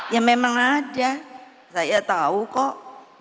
ya memang ada saya tahu kok